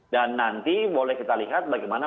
dan nanti boleh kita lihat bagaimana